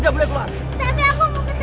jangan lupa untuk berikan duit